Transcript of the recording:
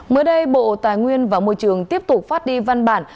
mới đây bộ tài nguyên và môi trường tiếp tục phát đi văn bản